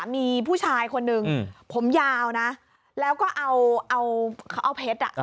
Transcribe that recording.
มีผู้ชายคนนึงผมยาวนะแล้วก็เอาเอาเขาเอาเพชรอ่ะอ่ะ